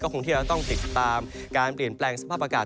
คงที่เราต้องติดตามการเปลี่ยนแปลงสภาพอากาศ